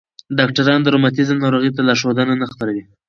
ډاکټران د روماتیزم ناروغۍ ته لارښود نه خپروي.